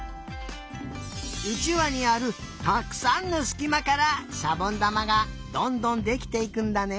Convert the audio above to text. うちわにあるたくさんのすきまからしゃぼんだまがどんどんできていくんだね！